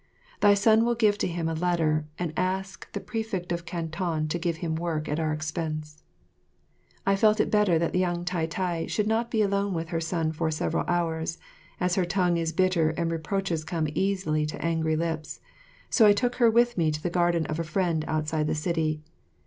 Thy son will give to him a letter and ask the Prefect of Canton to give him work at our expense. I felt it better that Liang Tai tai should not be alone with her son for several hours, as her tongue is bitter and reproaches come easily to angry lips, so I took her with me to the garden of a friend outside the city.